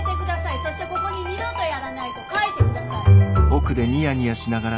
そしてここに二度とやらないと書いて下さい。